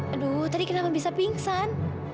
aduh tadi kenapa bisa pingsan